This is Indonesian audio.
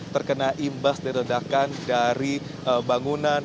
terkena imbas dari ledakan dari bangunan